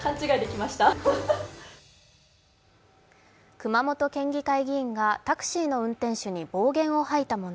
熊本県議会議員がタクシーの運転手に暴言を吐いた問題。